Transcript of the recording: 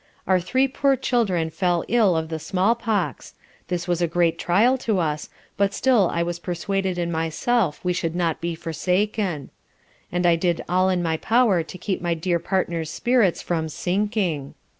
Our three poor children fell ill of the small pox; this was a great trial to us; but still I was persuaded in myself we should not be forsaken. And I did all in my power to keep my dear partner's spirits from sinking.